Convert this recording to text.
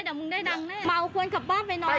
พี่พูดกับน้องน้องเป็นพนักงานขายไหมครับ